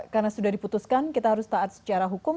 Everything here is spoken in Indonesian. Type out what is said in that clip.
karena sudah diputuskan kita harus taat secara hukum